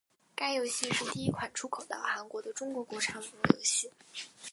该游戏是第一款出口到韩国的中国国产网络游戏。